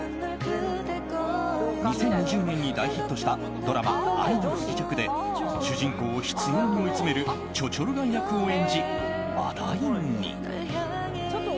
２０２０年に大ヒットしたドラマ「愛の不時着」で主人公を執拗に追い詰めるチョ・チョルガン役を演じ話題に。